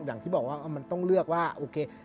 อย่างที่บอกว่ามันต้องเลือกว่าโอเค